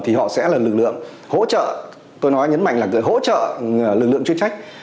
thì họ sẽ là lực lượng hỗ trợ tôi nói nhấn mạnh là hỗ trợ lực lượng chuyên trách